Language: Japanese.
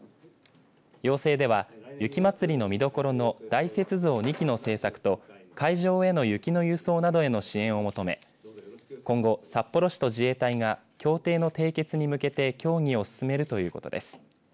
要請では雪まつりの見どころの大雪像２基の制作と会場への雪の輸送などの支援を求め今後、札幌市と自衛隊が協定の締結に向けて協議を進めるということです。